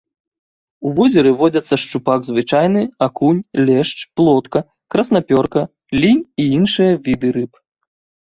У возеры водзяцца шчупак звычайны, акунь, лешч, плотка, краснапёрка, лінь і іншыя віды рыб.